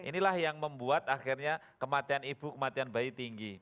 inilah yang membuat akhirnya kematian ibu kematian bayi tinggi